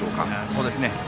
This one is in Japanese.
そうですね。